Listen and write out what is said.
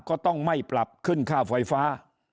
ก็ต้องไม่ปรับขึ้นค่าไฟฟ้า